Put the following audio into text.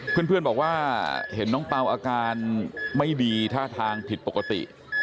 เพื่อนบอกว่าเห็นน้องเปล่าอาการไม่ดีท่าทางผิดปกติ